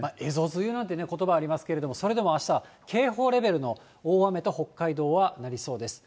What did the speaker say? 梅雨なんてことばありますけれども、それでもあしたは警報レベルの大雨と、北海道はなりそうです。